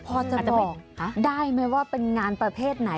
พอจะบอกได้ไหมว่าเป็นงานประเภทไหน